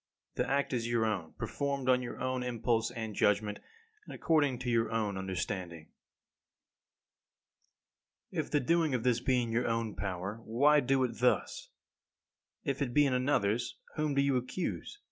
The act is your own, performed on your own impulse and judgment, and according to your own understanding. 17. If the doing of this be in your own power, why do it thus? If it be in another's, whom do you accuse?